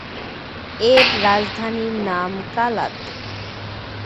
এর রাজধানীর নাম কালাত।